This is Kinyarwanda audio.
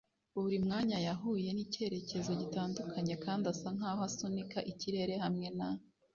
buri mwanya yahuye nicyerekezo gitandukanye kandi asa nkaho asunika ikirere hamwe na